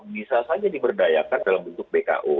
bisa saja diberdayakan dalam bentuk bko